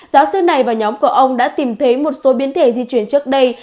giáo sư này và nhóm của ông đã tìm thấy một số biến thể di chuyển trước đây